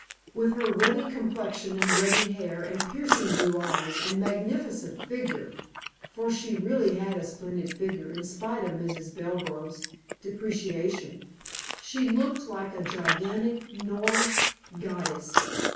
With her ruddy complexion and ruddy hair, and piercing blue eyes, and magnificent figure for she really had a splendid figure in spite of Mrs. Belgrove's depreciation she looked like a gigantic Norse goddess.